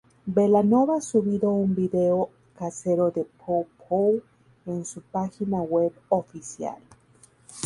Belanova subido un video casero de "Pow Pow" en su página web oficial.